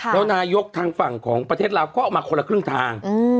แล้วนายกทางฝั่งของประเทศลาวก็เอามาคนละครึ่งทาง